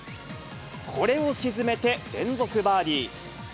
これを沈めて、連続バーディー。